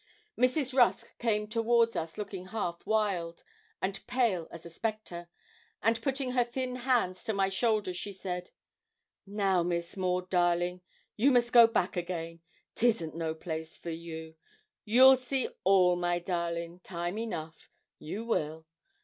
Mrs. Rusk came towards us looking half wild, and pale as a spectre, and putting her thin hands to my shoulders, she said 'Now, Miss Maud, darling, you must go back again; 'tisn't no place for you; you'll see all, my darling, time enough you will.